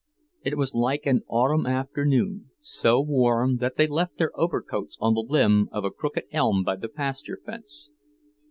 It was like an autumn afternoon, so warm that they left their overcoats on the limb of a crooked elm by the pasture fence.